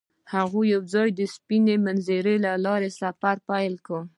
هغوی یوځای د سپین منظر له لارې سفر پیل کړ.